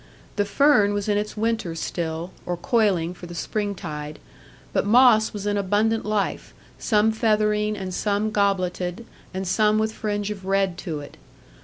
The fern was in its winter still, or coiling for the spring tide; but moss was in abundant life, some feathering, and some gobleted, and some with fringe of red to it.